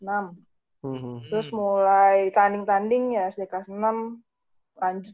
terus mulai tanding tanding ya sd kelas enam